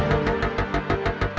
di bagian felus